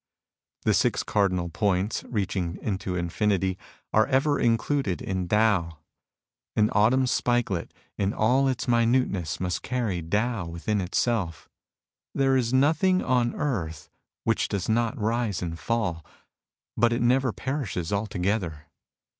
The six cardinal points, reaching into infinity, are ever included in Tao. An autumn spikelet, in all its minuteness, must carry Tao within itself. There is nothing on earth which does not rise and fall, but it never perishes altogether.